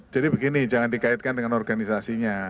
jadi begini jangan dikaitkan dengan organisasinya